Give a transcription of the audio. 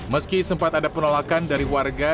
meski sempat ada penolakan dari warga